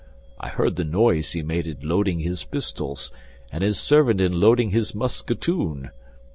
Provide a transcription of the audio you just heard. I heard the noise he made in loading his pistols, and his servant in loading his musketoon.